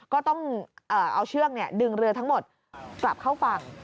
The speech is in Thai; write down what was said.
ก็ต้องเอาเชือกดึงเรือทั้งหมดกลับเข้าฝั่ง